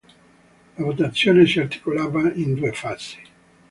La votazione si articolava in due fasi.